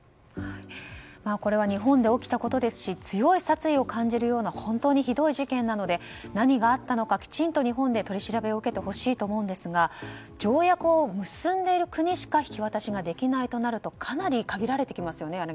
これは日本で起きたことですし強い殺意を感じるような本当にひどい事件なので何があったのかきちんと日本で取り調べを受けてほしいと思うんですが条約を結んでいる国しか引き渡しができないとなるとかなり限られてきますよね